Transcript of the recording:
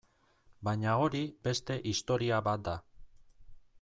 Baina hori beste historia bat da.